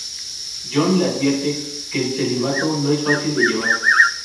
John le advierte que el celibato no es fácil de llevar.